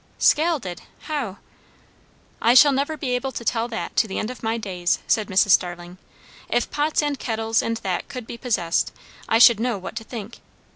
"Scalded! How?" "I shall never be able to tell that, to the end of my days," said Mrs. Starling. "If pots and kettles and that could be possessed, I should know what to think.